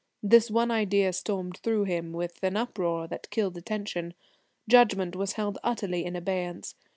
This one idea stormed through him with an uproar that killed attention. Judgment was held utterly in abeyance.